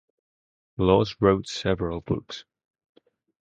Lawes wrote several books.